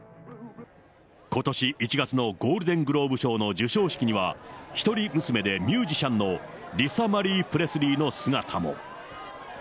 ことし１月のゴールデングローブ賞の授賞式には、一人娘でミュージシャンのリサ・マリー・プレスリーの姿も。